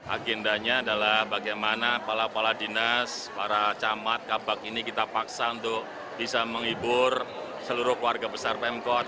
agendanya adalah bagaimana kepala kepala dinas para camat kabak ini kita paksa untuk bisa menghibur seluruh keluarga besar pemkot